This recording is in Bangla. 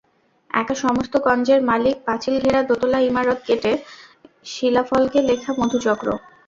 একা সমস্ত গঞ্জের মালিক, পাঁচিল-ঘেরা দোতলা ইমারত, গেটে শিলাফলকে লেখা মধুচক্র।